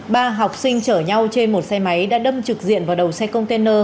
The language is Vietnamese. ba học sinh chở nhau trên một xe máy đã đâm trực diện vào đầu xe container